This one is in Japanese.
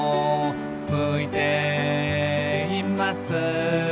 「向いています」